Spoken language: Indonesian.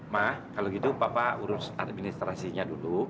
mah kalau gitu papa urus administrasinya dulu